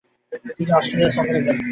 তিনি অস্ট্রেলিয়া সফরে যান।